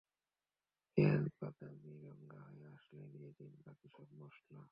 পেঁয়াজ বাদামিরঙা হয়ে আসলে দিয়ে দিন বাকি সব মসলা।